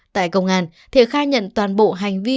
tại công an thiện khai nhận toàn bộ hành vi